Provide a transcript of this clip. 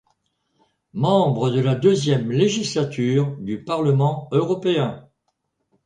Membre de la deuxième législature du Parlement Européen.